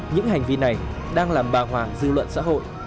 những hành vi này đang làm bà hoàng dư luận xã hội